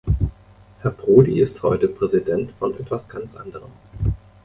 Herr Prodi ist heute Präsident von etwas ganz anderem.